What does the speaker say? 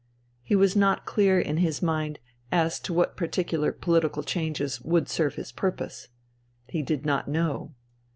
He was not clear in his mind as to what particular political changes would serve his purpose. He did not know.